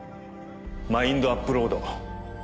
マインドアップロード。